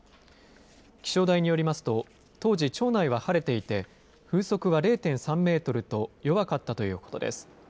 気象台によりますと、当時、町内は晴れていて、風速は０．３メートルと弱かったということです。